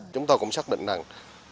chúng tôi cũng xác định rằng